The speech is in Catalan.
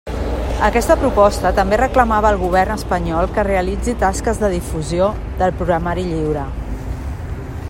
Aquesta proposta també reclamava al Govern espanyol que realitzi tasques de difusió del programari lliure.